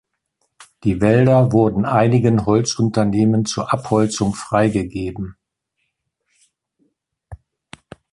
Die Wälder wurden einigen Holzunternehmen zur Abholzung freigegeben.